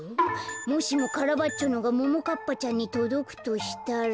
もしもカラバッチョのがももかっぱちゃんにとどくとしたら。